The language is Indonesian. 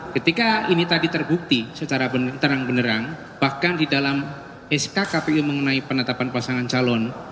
ketika ini tadi terbukti secara terang benerang bahkan di dalam sk kpu mengenai penetapan pasangan calon